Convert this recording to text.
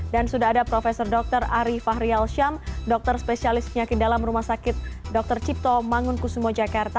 dan sudah ada prof dr ari fahrial syam dokter spesialis penyakit dalam rumah sakit dr cipto mangunkusumo jakarta